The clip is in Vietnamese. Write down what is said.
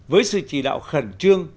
với sự chỉ đạo khẩn trương